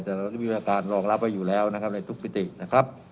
แต่เราได้มีการรองรับไว้อยู่แล้วนะครับในทุกมิตินะครับ